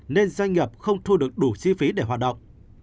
nên doanh nghiệp không thu được đủ chi phí để hoạt động